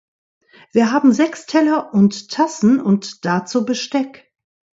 Wir haben sechs Teller und Tassen und dazu Besteck.